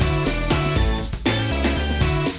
เมื่อกี๊